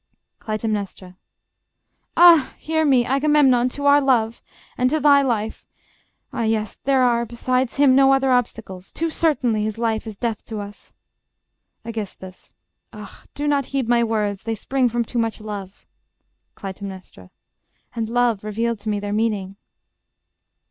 Cly. Ah! hear me ... Agamemnon to our love ... And to thy life? ... Ah, yes; there are, besides him, No other obstacles: too certainly His life is death to us! Aegis. Ah! do not heed My words: they spring from too much love. Cly. And love Revealed to me their meaning.